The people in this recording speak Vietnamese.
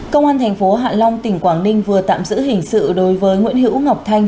công an thành phố hạ long tỉnh quảng ninh vừa tạm giữ hình sự đối với nguyễn hữu ngọc thanh